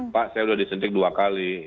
pak saya sudah disuntik dua kali